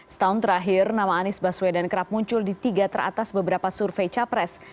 setahun terakhir nama anies baswedan kerap muncul di tiga teratas beberapa survei capres